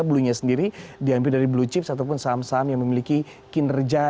blue nya sendiri diambil dari blue chips ataupun saham saham yang memiliki kinerja